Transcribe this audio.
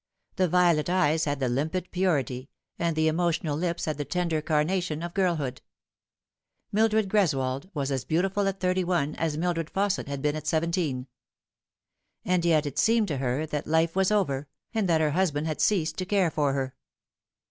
The violet eyes had the limpid purity, and the emotional lips had the tender carnation, of girlhood. Mildred Greswold was as beautiful at thirty one as Mildred Fausset had been at seventeen. And yet it seemed to her that life was over, and that her husband had ceased to care for her.